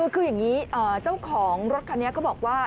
คืออย่างนี้เจ้าของรถคันนี้เขาบอกว่า